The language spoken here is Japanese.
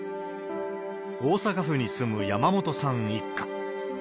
大阪府に住む山本さん一家。